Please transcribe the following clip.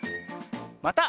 また。